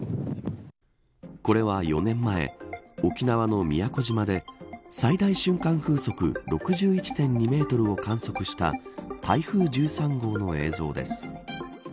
これは４年前沖縄の宮古島で最大瞬間風速６１．２メートルを観測した台風１３号の映像です。